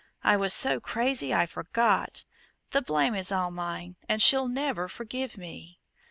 I was so crazy I forgot. The blame is all mine, and she'll never forgive me."